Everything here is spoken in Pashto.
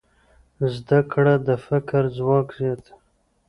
زده کړه د فکر ځواک زیاتوي.